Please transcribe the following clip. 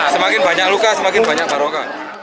semakin banyak luka semakin banyak baroka